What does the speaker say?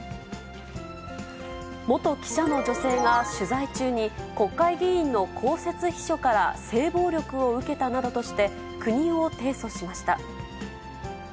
元記者の女性が取材中に、国会議員の公設秘書から性暴力を受けたなどとして、国を提訴しました。